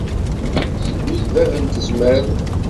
Illu, d bab n tezmart.